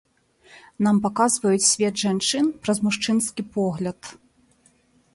Нам паказваюць свет жанчыны праз мужчынскі погляд.